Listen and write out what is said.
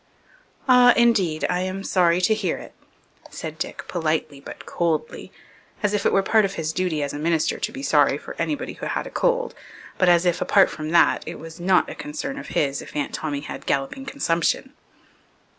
"Ah, indeed, I am sorry to hear it," said Dick, politely but coldly, as if it were part of his duty as a minister to be sorry for anybody who had a cold, but as if, apart from that, it was not a concern of his if Aunt Tommy had galloping consumption.